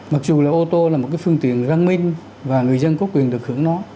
mặc dù là ô tô là một cái phương tiện văn minh và người dân có quyền được hưởng nó